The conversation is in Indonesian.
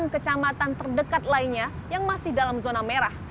enam kecamatan terdekat lainnya yang masih dalam zona merah